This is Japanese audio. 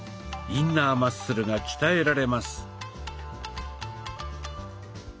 インナーマッスルが鍛えられます。